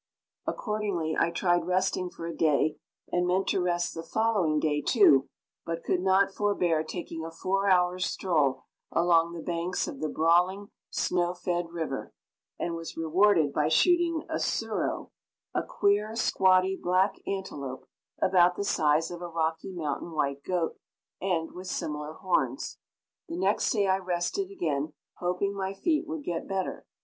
Accordingly I tried resting for a day, and meant to rest the following day too; but could not forbear taking a four hours' stroll along the banks of the brawling, snow fed river, and was rewarded by shooting a surow a queer, squatty, black antelope, about the size of a Rocky Mountain white goat and with similar horns. The next day I rested again, hoping my feet would get better.